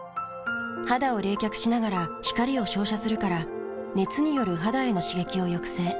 肌を冷却しながら光を照射するから熱による肌への刺激を抑制。